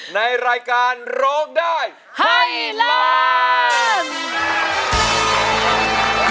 ในรายการร้องได้ให้ล้าน